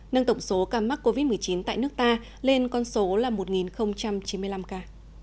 nâng tổng số ca mắc covid một mươi chín tại nước ta lên con số là một chín mươi năm ca